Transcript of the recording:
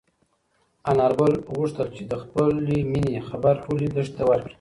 انارګل غوښتل چې د خپلې مېنې خبر ټولې دښتې ته ورکړي.